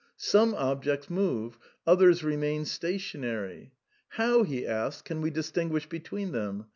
Some ob jects move; others remain stationary. How, he asks, can we distinguish between them?